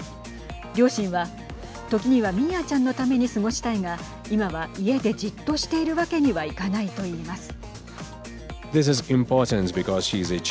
両親は、時にはミーアちゃんのために過ごしたいが、今は家でじっとしているわけにはいかないと言います。